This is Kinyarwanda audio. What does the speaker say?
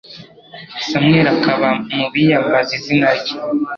Samweli akaba mu biyambaza izina rye